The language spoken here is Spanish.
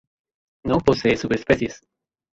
No posee subespecies.